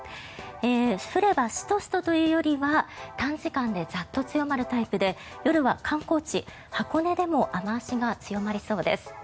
降ればシトシトというよりは短時間でザッと強まるタイプで夜は観光地、箱根でも雨脚が強まりそうです。